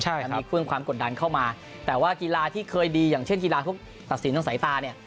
แต่มีเครื่องความกดดันเข้ามาแต่ว่ากีฬาที่เคยดีอย่างเช่นกีฬาทุกตัดสินทางสายตาเนี่ย